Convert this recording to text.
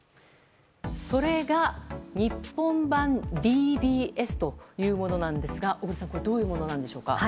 それが、日本版ＤＢＳというものなんですが小栗さん、これはどういうものでしょうか？